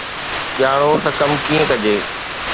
ڄاڻو ته ڪم ڪيئن ڪجي